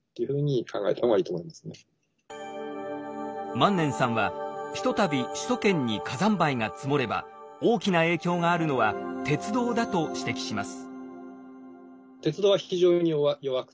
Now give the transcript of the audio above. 萬年さんはひとたび首都圏に火山灰が積もれば大きな影響があるのは鉄道だと指摘します。